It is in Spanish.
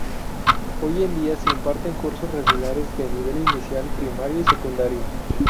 Hoy en día se imparten cursos regulares de nivel inicial, primario y secundario.